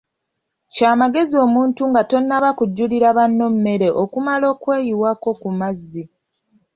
Ky'amagezi omuntu nga tonnaba kujjulira banno mmere okumala okweyiwako ku mazzi.